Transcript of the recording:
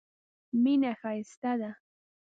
مینه ښایسته ده.